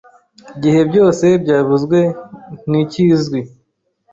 Igihe byose byavuzwe nticyizwi,